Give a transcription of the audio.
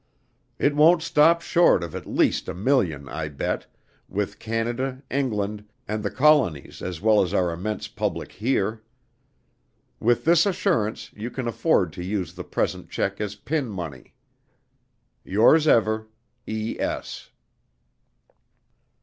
It won't stop short of at least a million, I bet, with Canada, England, and the Colonies as well as our immense public here. With this assurance, you can afford to use the present check as pin money. Yours ever, E. S."